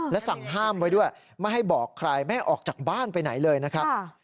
และสั่งห้ามไว้ด้วยไม่ให้บอกใครไม่ให้ออกจากบ้านไปไหนเลยนะครับ